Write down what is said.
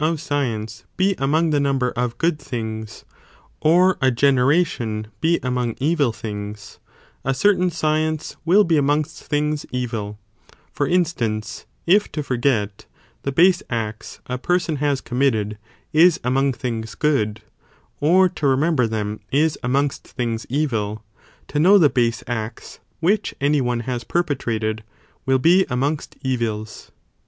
of science be among the number of good things, or a gener ation be among evil things, a certain science will be amongst things evil, for instance, if to forget the base acts'a person has committed, is among things good, or to remember them, is amongst things evil, to know the base acts which any one has perpetrated, will be amongst evils.